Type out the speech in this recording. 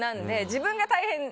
自分が大変。